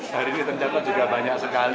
hari ini tercatat juga banyak sekali